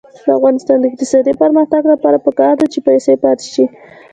د افغانستان د اقتصادي پرمختګ لپاره پکار ده چې پیسې پاتې شي.